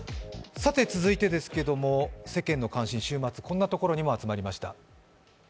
さて続いてですけれども世間の関心は週末、こんなところにも集まりました。